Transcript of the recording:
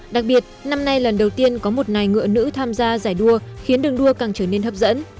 đặc biệt năm nay lần đầu tiên có một nài ngựa nữ tham gia giải đua khiến đường đua càng trở nên hấp dẫn